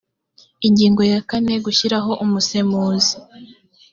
ingingo ya kane gushyiraho umusemuzi